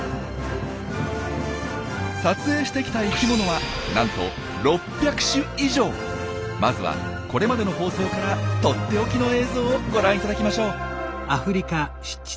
撮影してきた生きものはなんとまずはこれまでの放送からとっておきの映像をご覧いただきましょう。